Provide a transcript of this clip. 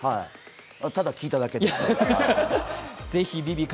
ただ聞いただけです。